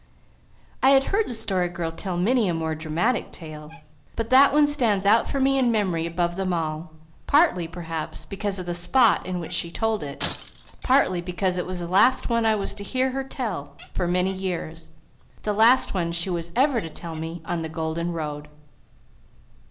I had heard the Story Girl tell many a more dramatic tale; but that one stands out for me in memory above them all, partly, perhaps, because of the spot in which she told it, partly because it was the last one I was to hear her tell for many years the last one she was ever to tell me on the golden road.